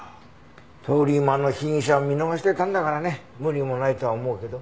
通り魔の被疑者を見逃してたんだからね無理もないとは思うけど。